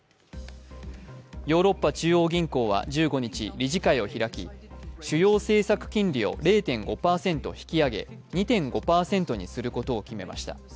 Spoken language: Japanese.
ヨーロッパ中央銀行は１５日理事会を開き主要政策金利を０．５％引き上げ２．５％にすることを決めました。